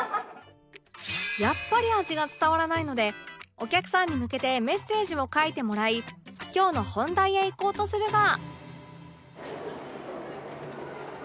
やっぱり味が伝わらないのでお客さんに向けてメッセージを書いてもらい今日の本題へ行こうとするが